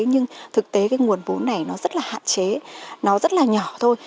nhưng thực tế cái nguồn vốn này nó rất là hạn chế nó rất là nhỏ thôi